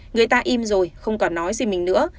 người ta im rồi không còn nói gì mình nữa